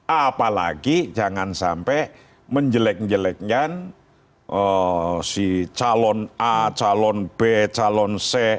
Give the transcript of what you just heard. apalagi jangan sampai menjelek jeleknya si calon a calon b calon c